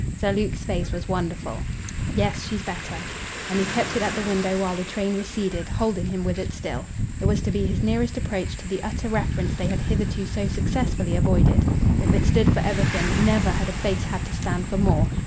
Sir Luke's face was wonderful. "Yes, she's better." And he kept it at the window while the train receded, holding him with it still. It was to be his nearest approach to the utter reference they had hitherto so successfully avoided. If it stood for everything; never had a face had to stand for more.